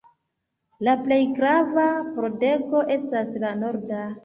La plej grava pordego estas la norda.